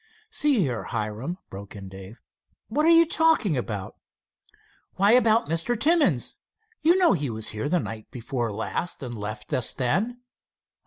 "See here, Hiram," broke in Dave, "What are you talking about?" "Why, about Mr. Timmins. You know he here night before last and left us then?"